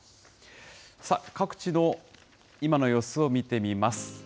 さあ、各地の今の様子を見てみます。